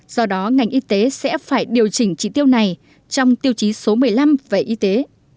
do đó ngành y tế sẽ phải điều chỉnh trị tiêu này trong tiêu chí số một mươi năm về y tế